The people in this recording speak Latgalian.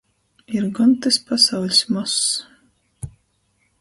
Ir gon tys pasauļs mozs...